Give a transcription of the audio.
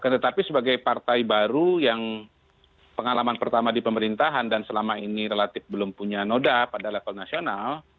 tetapi sebagai partai baru yang pengalaman pertama di pemerintahan dan selama ini relatif belum punya noda pada level nasional